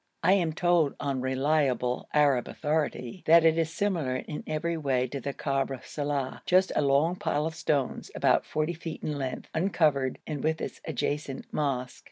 I am told, on reliable Arab authority, that it is similar in every way to the Kabr Saleh just a long pile of stones, about 40 feet in length, uncovered, and with its adjacent mosque.